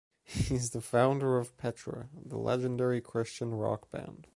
He’s the founder of Petra, the legendary Christian rock band.